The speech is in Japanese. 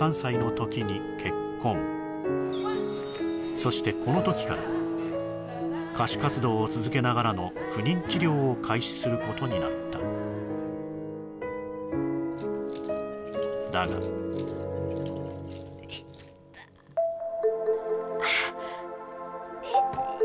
そしてこの時から歌手活動を続けながらの不妊治療を開始することになっただが痛っあっ痛い